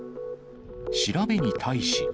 調べに対し。